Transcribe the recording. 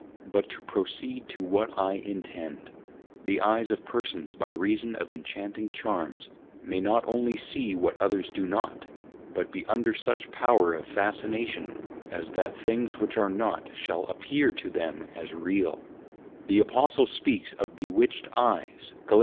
But to proceed to what I intend; the Eyes of Persons by reason of Inchanting Charms, may not only see what others do not, but be under such power of Fascination, as that things which are not, shall appear to them as real: The Apostle speaks of Bewitched Eyes, _Gal.